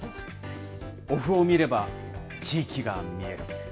おふを見れば、地域が見える。